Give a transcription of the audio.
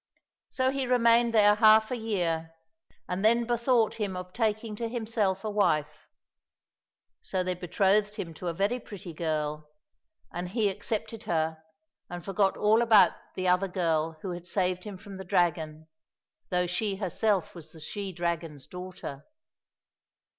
So he remained there half a year, and then be thought him of taking to himself a wife. So they betrothed him to a very pretty girl, and he accepted 250 THE MAGIC EGG her and forgot all about the other girl who had saved him from the dragon, though she herself was the she dragon's daughter.